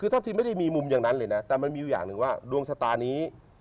แต่มันมีอย่างหนึ่งว่าดวงชะตานี้